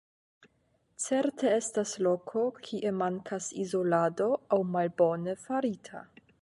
Certe estas loko kie mankas izolado aŭ malbone farita.